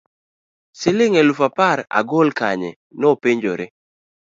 siling' aluf apar agol kanye? nopenyore